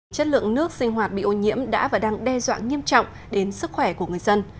chất lượng nước sinh hoạt bị ô nhiễm đã và đang đe dọa nghiêm trọng đến sức khỏe của người dân